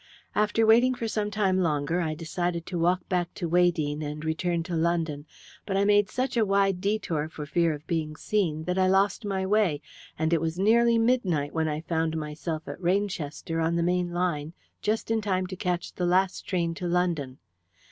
After waiting for some time longer I decided to walk back to Weydene and return to London. But I made such a wide detour for fear of being seen that I lost my way, and it was nearly midnight when I found myself at Rainchester, on the main line, just in time to catch the last train to London.